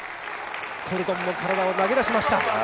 コルドンも体を投げ出しました。